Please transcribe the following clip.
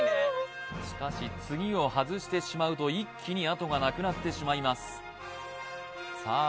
しかし次を外してしまうと一気にあとがなくなってしまいますさあ